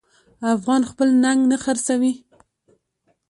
افغان خپل ننګ نه خرڅوي.